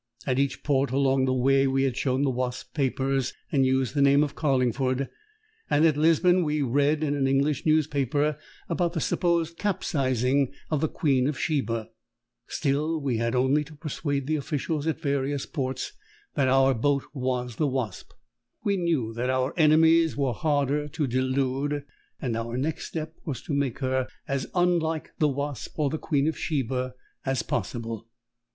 At each port on the way we had shown the Wasp's papers, and used the name of Carlingford; and at Lisbon we read in an English newspaper about the supposed capsizing of the Queen of Sheba. Still, we had not only to persuade the officials at the various ports that our boat was the Wasp. We knew that our enemies were harder to delude, and our next step was to make her as unlike the Wasp or the Queen of Sheba as possible.